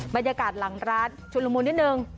บรรยากาศหลังร้านชุนละมุนนิดนึง